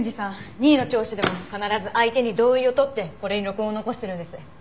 任意の聴取でも必ず相手に同意を取ってこれに録音を残してるんです。